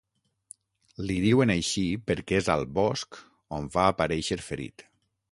Li diuen així, perquè és al bosc on va aparèixer ferit.